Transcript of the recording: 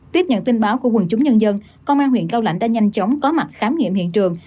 tiếp nhận tin báo của quần chúng nhân dân công an huyện cao lãnh đã nhanh chóng có mặt khám nghiệm hiện trường